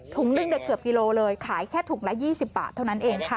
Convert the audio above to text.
ถุงหนึ่งได้เกือบกิโลเลยขายแค่ถุงละยี่สิบบาทเท่านั้นเองค่ะ